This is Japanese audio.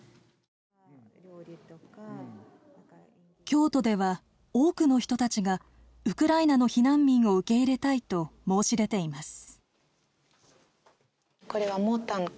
京都では多くの人たちがウクライナの避難民を受け入れたいと申し出ています。